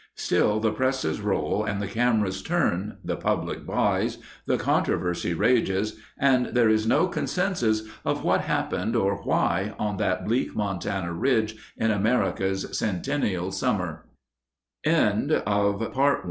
Still the presses roll and the cameras turn, the public buys, the controversy rages, and there is no consensus of what happened or why on that bleak Montana ridge in America's centennial summer. Part 2 f ■■:■■■■ J Road to the Little Bighorn Lt. Col.